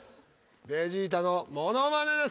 ベジータのモノマネです。